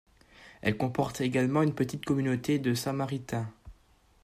Elle comporte également une petite communauté de Samaritains.